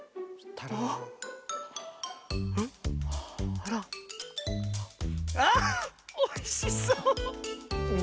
あら。あっおいしそう！